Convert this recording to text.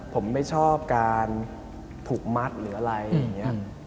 ผมไม่ชอบการถูกมัดหรืออะไรอย่างนี้